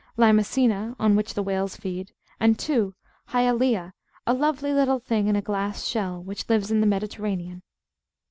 Limacina (on which the whales feed); and 2. Hyalea, a lovely little thing in a glass shell, which lives in the Mediterranean.